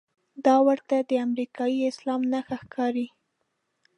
دا ورته د امریکايي اسلام نښه ښکاري.